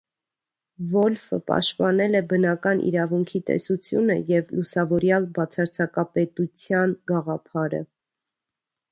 Վոլֆը պաշտպանել է բնական իրավունքի տեսությունը և լուսավորյալ բացարձակապետության գաղափարը։